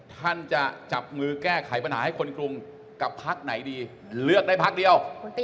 ท่านจะจับมือแก้ไขปัญหาให้คนกรุงกับพักไหนดีเลือกได้พักเดียว